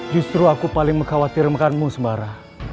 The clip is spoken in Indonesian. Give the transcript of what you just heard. justru aku paling mengkhawatirkanmu sembara